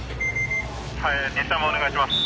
はいお願いします。